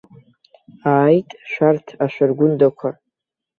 Ааит, шәарҭ ашәаргәындақәа.